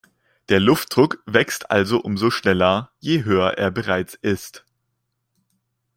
Der Luftdruck wächst also umso schneller, je höher er bereits ist.